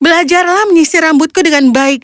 belajarlah menyisir rambutku dengan baik